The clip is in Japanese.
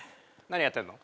何やってんの？